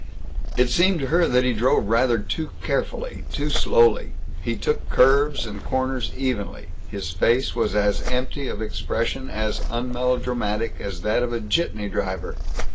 It seemed to her that he drove rather too carefully, too slowly. He took curves and corners evenly. His face was as empty of expression, as unmelodramatic, as that of a jitney driver.